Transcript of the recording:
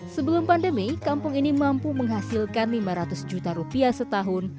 sebelum pandemi kampung ini mampu menghasilkan lima ratus juta rupiah setahun